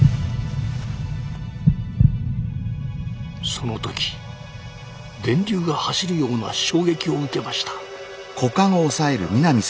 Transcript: その時電流が走るような衝撃を受けました。